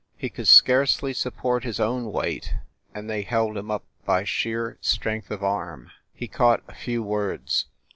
He could scarcely support his own weight, and they held him up by sheer strength of arm. He caught a few words.